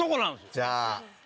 じゃあ。